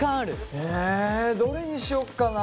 えどれにしようかな。